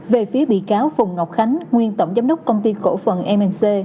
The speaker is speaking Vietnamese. về phía bị cáo phùng ngọc khánh nguyên tổng giám đốc công ty cổ phần mc